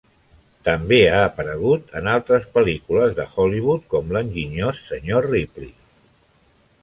També ha aparegut en altres pel·lícules de Hollywood, com "L'enginyós senyor Ripley".